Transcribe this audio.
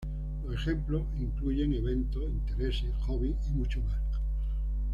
Los ejemplos incluyen eventos, intereses, hobbies y mucho más.